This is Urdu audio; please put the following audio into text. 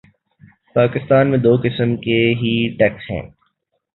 پاکستان میں دو قسم کے ہی ٹیکس ہیں۔